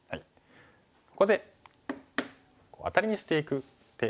ここでアタリにしていく手。